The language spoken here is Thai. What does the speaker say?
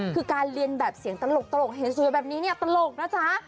คือการเรียนแบบเสียงตลกเห็นสูงอย่างแบบนี้ตลกนะจ๊ะ